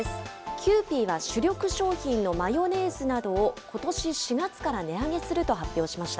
キユーピーが主力商品のマヨネーズなどを、ことし４月から値上げすると発表しました。